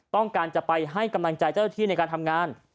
ต้องการจะไปให้กำลังใจเจ้าที่ในการทำงาน